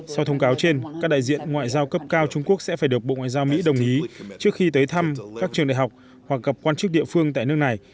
sau thông cáo trên các đại diện ngoại giao cấp cao trung quốc sẽ phải được bộ ngoại giao mỹ đồng ý trước khi tới thăm các trường đại học hoặc gặp quan chức địa phương tại nước này